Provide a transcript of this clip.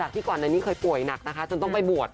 ที่ก่อนอันนี้เคยป่วยหนักนะคะจนต้องไปบวช